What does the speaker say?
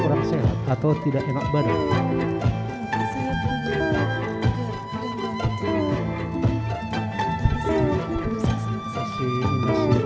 atau tidak enak badan